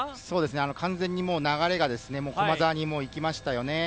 完全に流れが駒澤に行きましたよね。